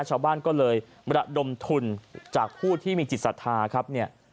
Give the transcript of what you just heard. ชาวบ้านก็เลยบรรดบดมทุนจากผู้ที่มีจิตศาษฎาครับ